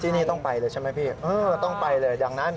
ที่นี่ต้องไปเลยใช่ไหมพี่เออต้องไปเลยดังนั้น